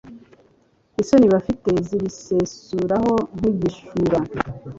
isoni bafite zibisesureho nk’igishura